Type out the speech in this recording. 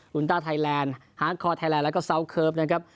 รุนต้าไทยแลนด์ฮาร์ดคอร์ไทยแลนดแล้วก็ซาวเคิร์ฟนะครับ